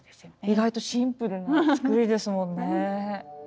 意外とシンプルな作りですもんね。